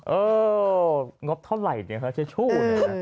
เอองบเท่าไหร่เนี่ยค่ะทิชชู่เนี่ย